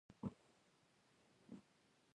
په خپلو منځونو کې اتفاق وساتئ.